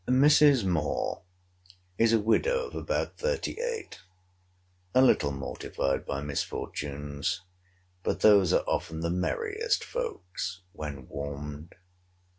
Mrs. Moore is a widow of about thirty eight; a little mortified by misfortunes; but those are often the merriest folks, when warmed.